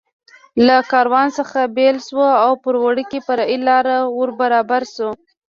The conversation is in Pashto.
له کاروان څخه بېل شو او پر وړوکې فرعي لار ور برابر شو.